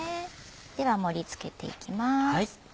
では盛り付けていきます。